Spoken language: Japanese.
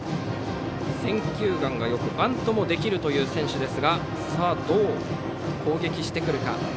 選球眼がよくバントもできる選手ですがどう攻撃してくるか。